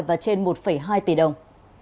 và trên một hai tỷ đồng